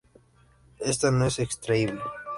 Esta no es extraíble.